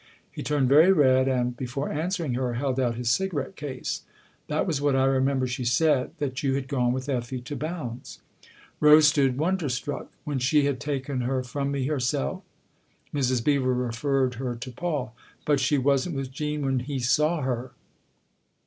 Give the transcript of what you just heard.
He turned very red and, before answering her, held out his cigarette case. " That was what I remember she said that you had gone with Effie to Bounds." Rose stood wonderstruck. " When she had taken her from me herself ?" Mrs. Beever referred her to Paul. " But she wasn't with Jean when he saw her